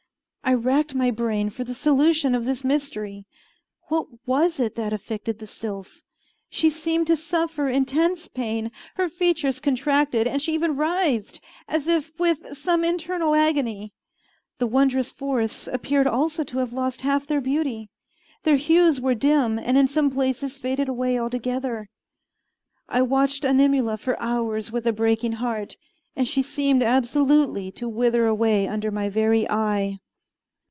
I racked my brain for the solution of this mystery. What was it that afflicted the sylph? She seemed to suffer intense pain. Her features contracted, and she even writhed, as if with some internal agony. The wondrous forests appeared also to have lost half their beauty. Their hues were dim and in some places faded away altogether. I watched Animula for hours with a breaking heart, and she seemed absolutely to wither away under my very eye.